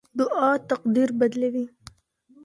دعا تقدیر بدلوي.